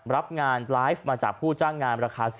รับงานไลฟ์มาจากผู้จ้างงานราคา